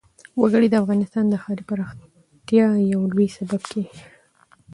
وګړي د افغانستان د ښاري پراختیا یو لوی سبب کېږي.